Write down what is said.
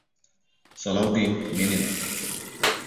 সালাহউদ্দিন মেনে নেয়।